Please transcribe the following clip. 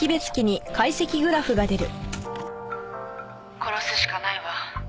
「殺すしかないわ」